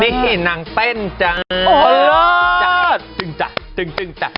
นี่เห็นหางเต้นจอร์